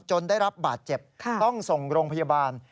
ได้รับบาดเจ็บต้องส่งโรงพยาบาล